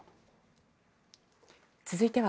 続いては。